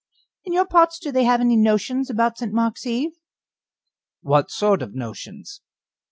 In your parts have they any notions about St. Mark's eve?" "What sort of notions?"